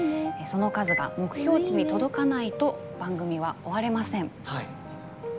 その数が目標値に届かないと番組は終われません。